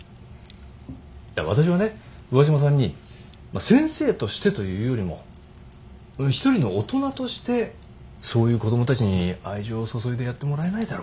いや私はね上嶋さんにまあ先生としてというよりも一人の大人としてそういう子供たちに愛情を注いでやってもらえないだろうかと。